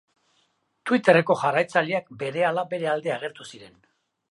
Twiterreko jarraitzaileak berehala bere alde agertu ziren.